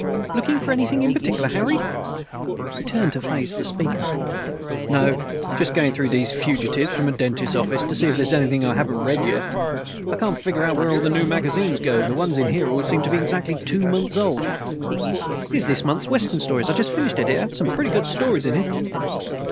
"Looking for anything in particular, Harry?" He turned to face the speaker. "No, just going through these fugitives from a dentist's office to see if there's anything I haven't read yet. I can't figure out where all the new magazines go. The ones in here always seem to be exactly two months old." "Here's this month's Western Stories. I just finished it. It had some pretty good stories in it."